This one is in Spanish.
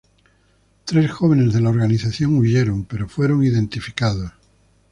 Tres jóvenes de la organización huyeron, pero fueron identificados.